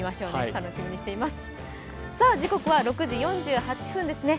楽しみにしています。